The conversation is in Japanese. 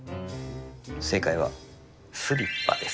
正解は、スリッパです。